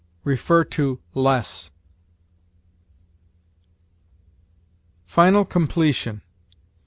See LESS. FINAL COMPLETION.